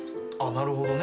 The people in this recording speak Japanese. なるほどね。